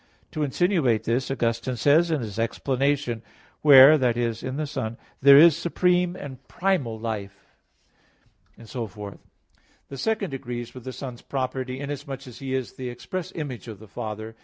To insinuate this, Augustine says in his explanation (De Trin. vi, 10): "Where that is, in the Son there is supreme and primal life," etc. The second agrees with the Son's property, inasmuch as He is the express Image of the Father.